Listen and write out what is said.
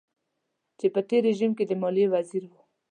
چې په تېر رژيم کې د ماليې وزير و.